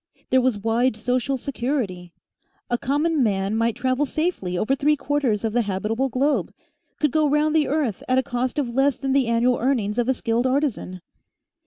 There was wide social security. A common man might travel safely over three quarters of the habitable globe, could go round the earth at a cost of less than the annual earnings of a skilled artisan.